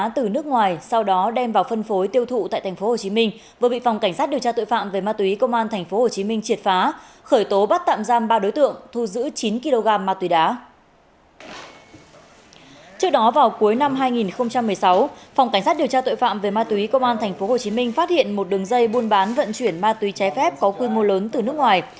trước đó vào cuối năm hai nghìn một mươi sáu phòng cảnh sát điều tra tội phạm về ma túy công an tp hcm phát hiện một đường dây buôn bán vận chuyển ma túy trái phép có quy mô lớn từ nước ngoài